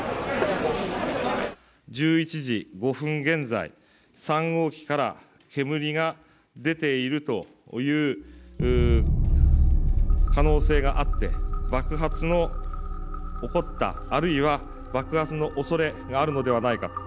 １１時５分現在３号機から煙が出ているという可能性があって爆発の起こったあるいは爆発のおそれがあるのではないかと。